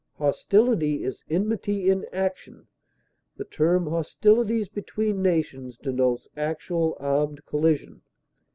Hostility is enmity in action; the term hostilities between nations denotes actual armed collision.